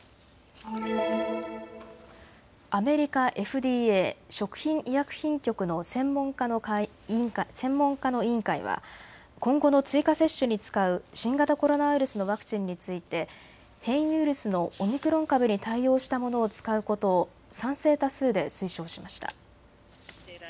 アメリカＦＤＡ・食品医薬品局の専門家の委員会は今後の追加接種に使う新型コロナウイルスのワクチンについて変異ウイルスのオミクロン株に対応したものを使うことを賛成多数で推奨しました。